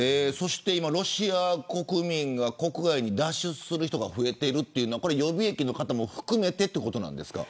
今、ロシア国民が国外に脱出する人が増えているというのはこれは予備役の方も含めてということなんですか。